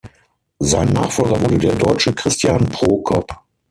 Sein Nachfolger wurde der Deutsche Christian Prokop.